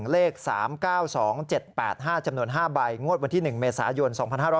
เลข๓๙๒๗๘๕จำนวน๕ใบงวดวันที่๑เมษายน๒๕๖๐